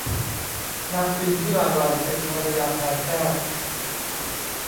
นางพิมพิลาไลยเป็นภรรยาพลายแก้ว